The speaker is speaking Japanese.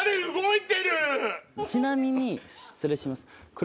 ちなみに失礼します。